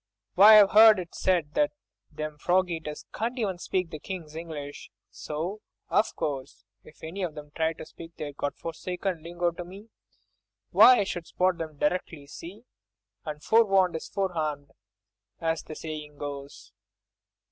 Why! I've 'eard it said that them frog eaters can't even speak the King's English, so, of course, if any of 'em tried to speak their God forsaken lingo to me, why, I should spot them directly, see!—and forewarned is forearmed, as the saying goes."